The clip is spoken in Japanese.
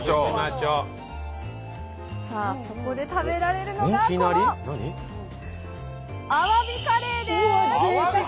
さあそこで食べられるのがこのアワビカレー？